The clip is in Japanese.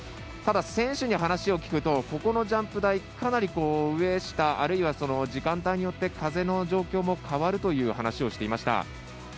ただ、選手に話を聞くとここのジャンプ台かなり上下、あるいは時間帯によって風の状況も変わるという話をしていました。